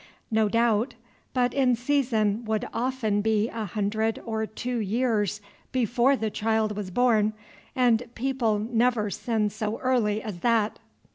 No doubt, but in season would often be a hundred or two years before the child was born; and people never send so early as that.